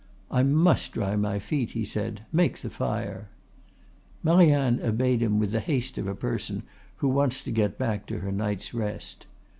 "I must dry my feet," he said. "Make the fire." Marianne obeyed with the haste of a person who wants to get back to her night's rest.